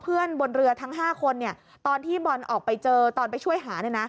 บนเรือทั้ง๕คนตอนที่บอลออกไปเจอตอนไปช่วยหา